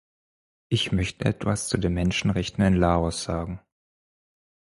Ich möchte etwas zu den Menschenrechten in Laos sagen.